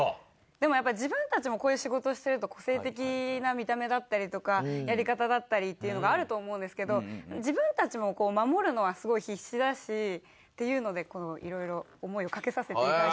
でもやっぱり自分たちもこういう仕事してると個性的な見た目だったりとかやり方だったりっていうのがあると思うんですけど自分たちも守るのはすごい必死だしっていうので色々思いを掛けさせて頂きました。